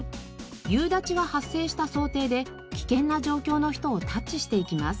夕立が発生した想定で危険な状況の人をタッチしていきます。